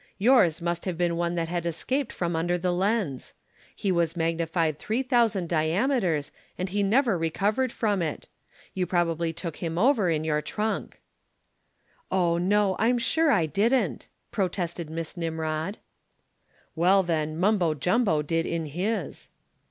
Yours must have been one that had escaped from under the lens. He was magnified three thousand diameters and he never recovered from it. You probably took him over in your trunk." "Oh, no, I'm sure I didn't," protested Miss Nimrod. "Well, then, Mumbo Jumbo did in his."